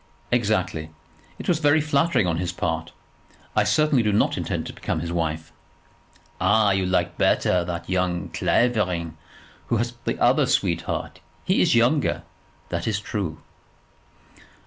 "Exactly. It was very flattering on his part. I certainly do not intend to become his wife." "Ah, you like better that young Clavering who has the other sweetheart. He is younger. That is true."